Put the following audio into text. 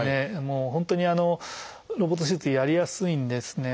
本当にロボット手術やりやすいんですね。